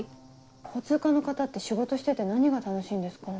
交通課の方って仕事してて何が楽しいんですかね。